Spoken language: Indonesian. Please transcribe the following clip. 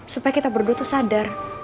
supaya kita berdua tuh sadar